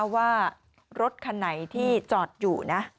ว่ารถคันไหนที่จอดอยู่นะ